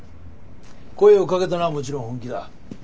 声をかけたのはもちろん本気だ。